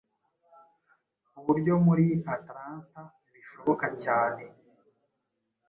uburyo muri Atlata bishoboka cyane